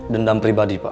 dendam pribadi pak